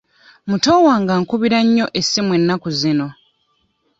Muto wange ankubira nnyo essimu ennaku zino.